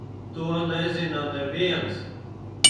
To nezina neviens.